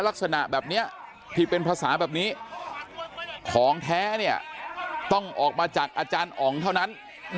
ลักษณะแบบนี้ที่เป็นภาษาแบบนี้ของแท้เนี่ยต้องออกมาจากอาจารย์อ๋องเท่านั้น